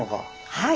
はい。